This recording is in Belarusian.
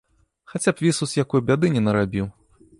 Хаця б вісус якой бяды не нарабіў!